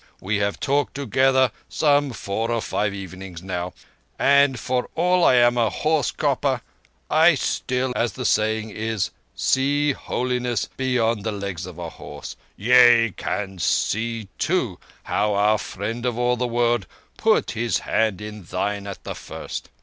We have talked together some four or five evenings now, and for all I am a horse coper I can still, as the saying is, see holiness beyond the legs of a horse. Yea, can see, too, how our Friend of all the World put his hand in thine at the first.